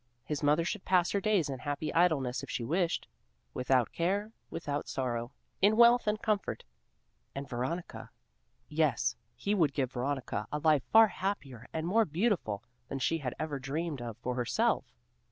His mother should pass her days in happy idleness if she wished, without care, without sorrow, in wealth and comfort, and Veronica! Yes, he would give Veronica a life far happier and more beautiful than she had ever dreamed of for herself!